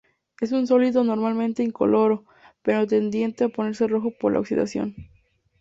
Es un sólido normalmente incoloro, pero tendiente a ponerse rojo por la oxidación.